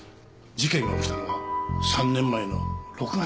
事件が起きたのは３年前の６月です。